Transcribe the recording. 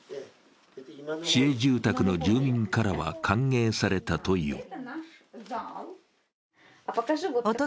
市営住宅の住民からは歓迎されたという。